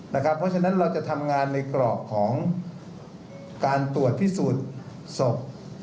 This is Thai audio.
เพราะฉะนั้นเราจะทำงานในกรอบของการตรวจพิสูจน์ศพ